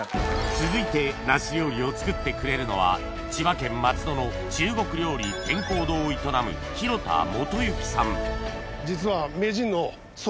続いて梨料理を作ってくれるのは千葉県松戸の中国料理天廣堂を営む実は。